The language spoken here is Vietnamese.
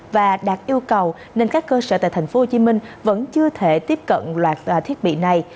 và đạt yêu cầu nên các cơ sở tại tp hcm vẫn chưa thể tiếp cận loạt thiết bị này